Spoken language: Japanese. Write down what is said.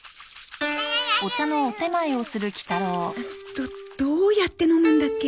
どどうやって飲むんだっけ？